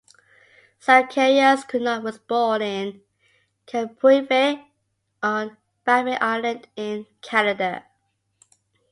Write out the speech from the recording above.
Zacharias Kunuk was born in Kapuivik on Baffin Island in Canada.